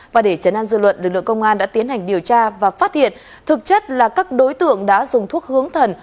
và để chấn an dư luận lực lượng công an đã tiến hành điều tra và phát hiện thực chất là các đối tượng đã dùng thuốc hướng thần